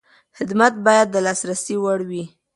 خدمت باید د لاسرسي وړ وي.